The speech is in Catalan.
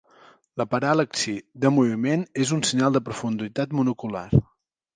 La paral·laxi de moviment és un senyal de profunditat monocular.